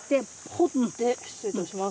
掘って失礼いたします。